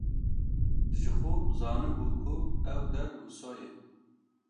Jixwe zanibû ku ev der wisa ye.